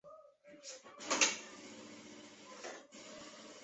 死人呀喂！